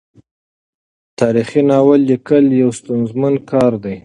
تاریخي ناول لیکل یو ستونزمن کار دی.